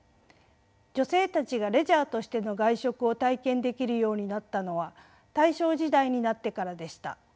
女性たちがレジャーとしての外食を体験できるようになったのは大正時代になってからでした。